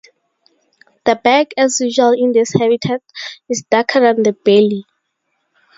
The back, as usual in this habitat, is darker than the belly.